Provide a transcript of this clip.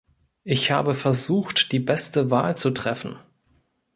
Ich habe versucht, die beste Wahl zu treffen.